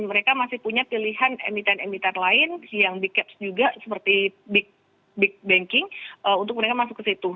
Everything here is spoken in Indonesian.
mereka masih punya pilihan emiten emiten lain yang big caps juga seperti big banking untuk mereka masuk ke situ